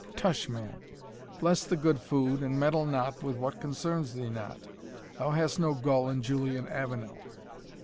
_ Tush, man! bless the good food, and meddle not with what concerns thee not thou hast no gull in Julian Avenel."